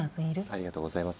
ありがとうございます。